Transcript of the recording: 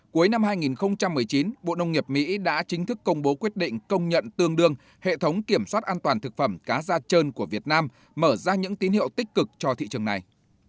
cuối năm hai nghìn một mươi chín bộ nông nghiệp mỹ đã chính thức công bố quyết định công nhận tương đương hệ thống kiểm soát an toàn thực phẩm cá da trơn của việt nam mở ra những tín hiệu tích cực cho thị trường này